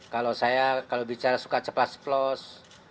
kalau saya kalau bicara suka ceplas ceplos